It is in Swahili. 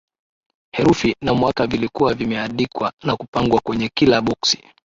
Herufi na mwaka vilikuwa vimeandikwa na kupangwa kwenye kila boksi